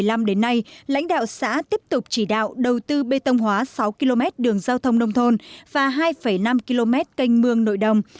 từ tháng sáu năm hai nghìn một mươi năm đến nay lãnh đạo xã tiếp tục chỉ đạo đầu tư bê tông hóa sáu km đường giao thông nông thôn và hai năm km canh mương nội đồng